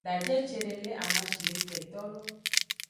Daje cede le amashideketolo.